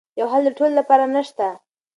یو حل د ټولو لپاره نه شته.